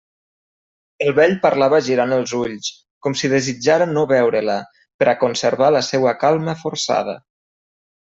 El vell parlava girant els ulls, com si desitjara no veure-la, per a conservar la seua calma forçada.